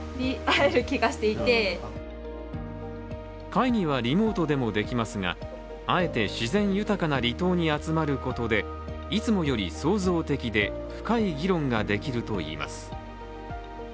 会議はリモートでもできますが、あえて自然豊かな離島に集まることでいつもより創造的で深い議論ができるといいます。